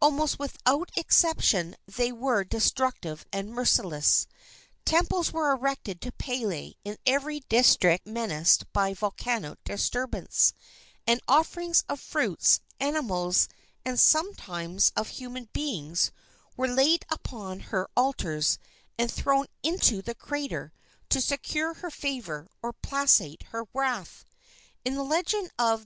Almost without exception they were destructive and merciless. Temples were erected to Pele in every district menaced by volcanic disturbance, and offerings of fruits, animals, and sometimes of human beings were laid upon her altars and thrown into the crater to secure her favor or placate her wrath.